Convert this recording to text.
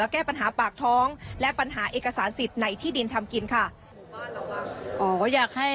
แก้ปัญหาปากท้องและปัญหาเอกสารสิทธิ์ในที่ดินทำกินค่ะ